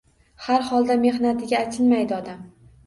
Har holda, mehnatiga achinmaydi odam.